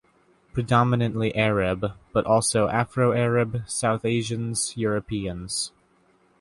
Predominantly Arab; but also Afro-Arab, South Asians, Europeans.